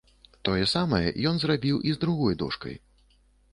Тое самае ён зрабіў і з другой дошкай.